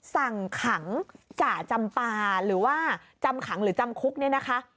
สั่งขังจาจำปลาหรือว่าจำขังหรือจำคุก